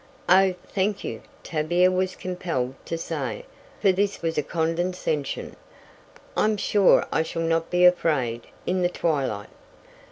"Oh, thank you," Tavia was compelled to say, for this was a condescension; "I'm sure I shall not be afraid in the twilight."